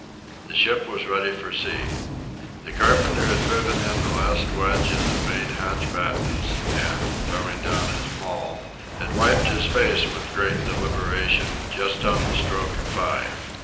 The ship was ready for sea. The carpenter had driven in the last wedge of the mainhatch battens, and, throwing down his maul, had wiped his face with great deliberation, just on the stroke of five.